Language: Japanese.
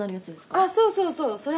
あっそうそうそうそれ。